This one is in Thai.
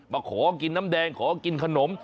มาขอกินน้ำแดงขอกินขนม